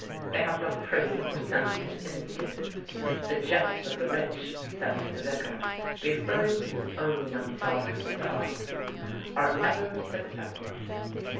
They have no pretty or sensitive instincts. "The jests of the rich," says the Vicar, referring to his own young daughters as audience, "are ever successful."